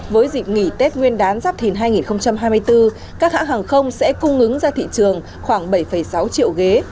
với dịp nghỉ tết nguyên đán giáp thìn hai nghìn hai mươi bốn các hãng hàng không sẽ cung ứng ra thị trường khoảng bảy sáu triệu ghế